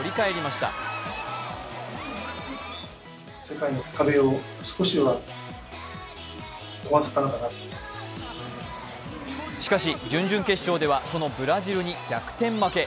しかし、準々決勝ではそのブラジルに逆転負け。